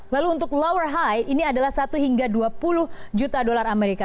lalu untuk lower high ini adalah satu hingga dua puluh juta dolar amerika